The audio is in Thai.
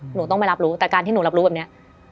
หนูต้องไปรับรู้แต่การที่หนูรับรู้แบบนี้